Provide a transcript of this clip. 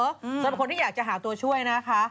สำหรับคนที่อยากจะหาตัวช่วยนะคะ